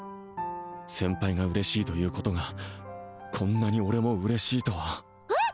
先輩が嬉しいということがこんなに俺も嬉しいとはえっ？